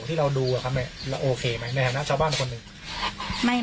ที่เราดูโอเคไหม